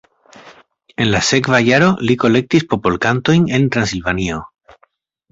En la sekva jaro li kolektis popolkantojn en Transilvanio.